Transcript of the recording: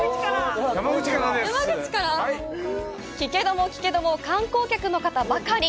聞けども聞けども観光客の方ばかり。